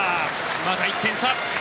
また１点差。